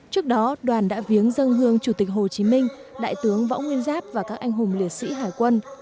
trước đó đoàn đã viếng dân hương chủ tịch hồ chí minh đại tướng võ nguyên giáp và các anh hùng liệt sĩ hải quân